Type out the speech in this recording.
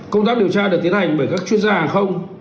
công tác điều tra được tiến hành bởi các chuyên gia hàng không